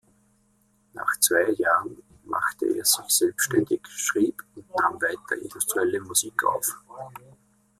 Nach zwei Jahren machte er sich selbstständig, schrieb und nahm weiter industrielle Musik auf.